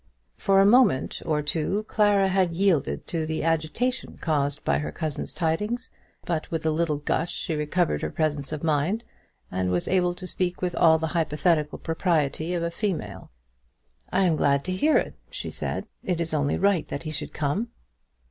For a moment or two Clara had yielded to the agitation caused by her cousin's tidings; but with a little gush she recovered her presence of mind, and was able to speak with all the hypothetical propriety of a female. "I am glad to hear it," she said. "It is only right that he should come."